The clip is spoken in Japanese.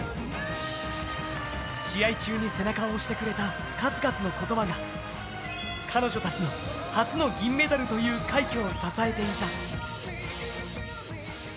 試合中に背中を押してくれた数々の言葉が彼女たちの初の銀メダルという快挙を支えていた。